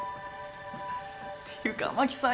っていうか雨樹さん